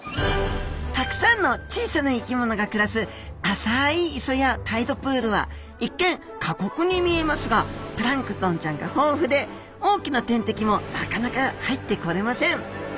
たくさんの小さな生き物が暮らす浅い磯やタイドプールは一見過酷に見えますがプランクトンちゃんが豊富で大きな天敵もなかなか入ってこれません。